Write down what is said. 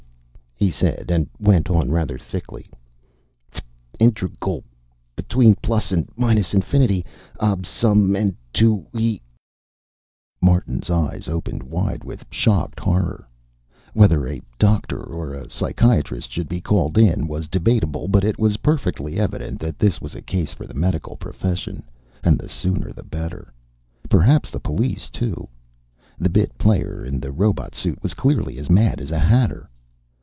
"Fff(t)!" he said, and went on rather thickly, "F(t) integral between plus and minus infinity ... a sub n to e...." Martin's eyes opened wide with shocked horror. Whether a doctor or a psychiatrist should be called in was debatable, but it was perfectly evident that this was a case for the medical profession, and the sooner the better. Perhaps the police, too. The bit player in the robot suit was clearly as mad as a hatter.